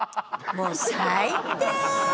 もう最低！